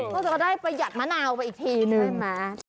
ต้องจะได้ประหยัดมะนาวไปอีกทีนึง